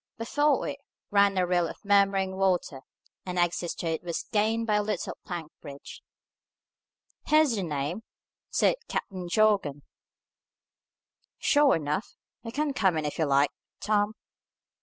Before it, ran a rill of murmuring water, and access to it was gained by a little plank bridge. "Here's the name," said Captain Jorgan, "sure enough. You can come in if you like, Tom."